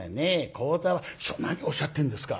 「師匠何をおっしゃってるんですか。